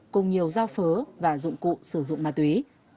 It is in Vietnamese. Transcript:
cùng nhiều giao phớ và dụng cụ sử dụng ma túy